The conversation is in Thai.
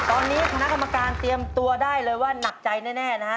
ตอนนี้คณะกรรมการเตรียมตัวได้เลยว่าหนักใจแน่นะฮะ